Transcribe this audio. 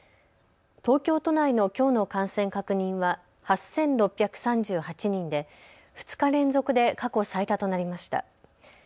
東京都内のきょうの感染確認は８６３８人で２日連続で過去最多となりました。